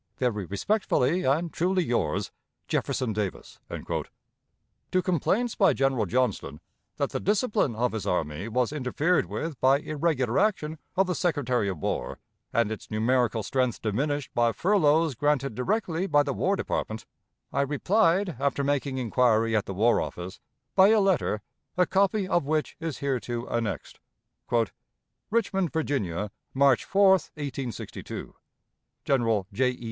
"Very respectfully and truly yours, "Jefferson Davis." To complaints by General Johnston that the discipline of his army was interfered with by irregular action of the Secretary of War, and its numerical strength diminished by furloughs granted directly by the War Department, I replied, after making inquiry at the War Office, by a letter, a copy of which is hereto annexed: "Richmond, Virginia, March 4, 1862. "General J. E.